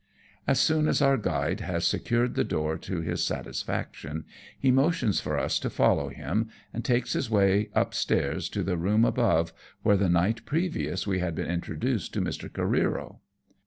As soon as our guide has secured the door to his satisfaction, he motions for us to follow him, and takes his way upstairs to the room above, where the night previous we had been introduced to Mr. Careero.